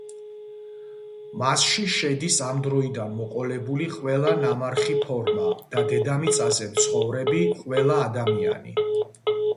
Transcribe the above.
მასში შედის ამ დროიდან მოყოლებული ყველა ნამარხი ფორმა და დედამიწაზე მცხოვრები ყველა ადამიანი.